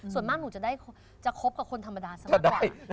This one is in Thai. ส่วนมากหนูจะคบกับคนธรรมดาซะมากกว่า